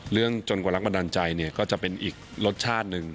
เรื่องจนกว่ารักมัดดาลใจเนี่ยก็จะเป็นอีกรสชาตินึง